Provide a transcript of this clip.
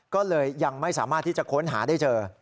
ก็เลยยังไม่สามารถที่จะค้นหาได้เจอ